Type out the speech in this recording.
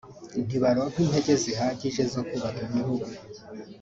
ntibaronka intege zihagije zo kubaka igihugu